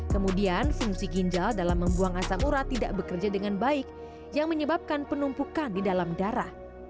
kemudian fungsi ginjal dalam membuang asam urat tidak bekerja dengan baik yang menyebabkan penumpukan di dalam darah